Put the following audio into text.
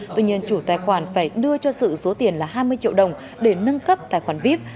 tuy nhiên chủ tài khoản phải đưa cho sự số tiền là hai mươi triệu đồng để nâng cấp tài khoản vip